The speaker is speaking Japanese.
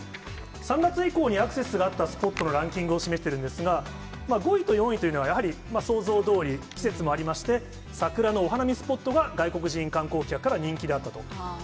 ３月以降にアクセスがあったスポットのランキングを示してるんですが、５位と４位というのは、やはり想像どおり、季節もありまして、桜のお花見スポットが外国人観光客から人気だったと。